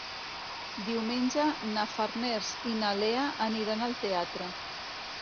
Diumenge na Farners i na Lea aniran al teatre.